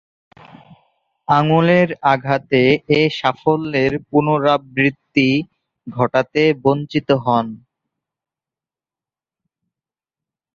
আঙ্গুলের আঘাতে এ সাফল্যের পুণরাবৃত্তি ঘটাতে বঞ্চিত হন।